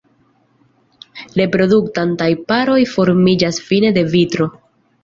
Reproduktantaj paroj formiĝas fine de vintro.